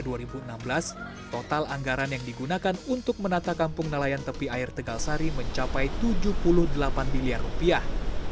tahun anggaran yang digunakan untuk menata kampung nelayan tepi air tegalsari mencapai tujuh puluh delapan miliar rupiah